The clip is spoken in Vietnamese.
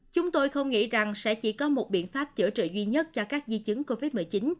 chúng tôi không nghĩ rằng sẽ chỉ có một biện pháp chữa trị duy nhất cho các di chứng covid một mươi chín